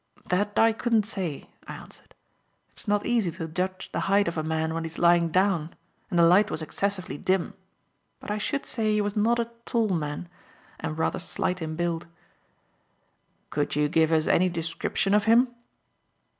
"That I couldn't say," I answered. "It is not easy to judge the height of a man when he is lying down and the light was excessively dim. But I should say he was not a tall man and rather slight in build." "Could you give us any description of him?"